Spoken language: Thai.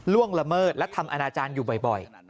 ละเมิดและทำอนาจารย์อยู่บ่อย